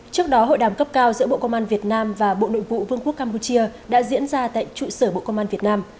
trước đó hội đàm cấp cao giữa bộ công an việt nam và bộ nội vụ vương quốc campuchia đã diễn ra tại trụ sở bộ công an việt nam